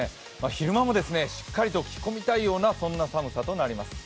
昼間もしっかりと着込みたいような寒さとなります。